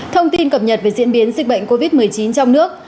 thông tin cập nhật về diễn biến dịch bệnh covid một mươi chín trong nước